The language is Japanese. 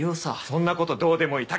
そんなことどうでもいい。